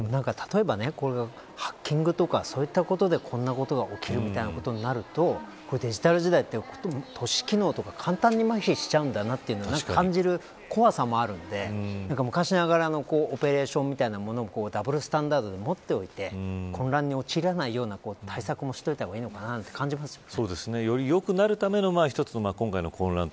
でも例えばこれがハッキングとかそういった事でこんなことが起きるみたいなことになるとデジタル時代って都市機能とかが簡単にまひしちゃうんだなというのを感じる怖さもあるので昔ながらのオペレーションみたいなものをダブルスタンダードで持っておいて混乱に陥らないような対策もしておいた方がいいのかなと感じますね。